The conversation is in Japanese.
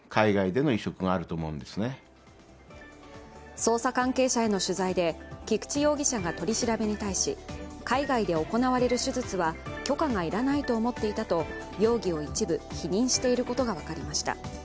捜査関係者への取材で、菊池容疑者が取り調べに対し、海外で行われる手術は許可が要らないと思っていたと容疑を一部否認していることが分かりました。